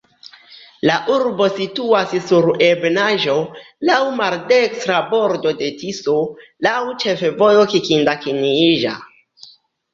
La urbo situas sur ebenaĵo, laŭ maldekstra bordo de Tiso, laŭ ĉefvojo Kikinda-Kanjiĵa.